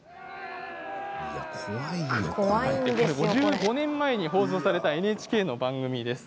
５５年前に放送されたＮＨＫの番組です。